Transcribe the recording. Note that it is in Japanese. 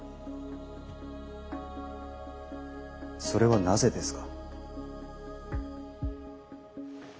それはなぜですか？